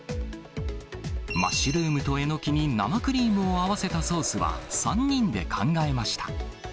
マッシュルームとえのきに生クリームを合わせたソースは、３人で考えました。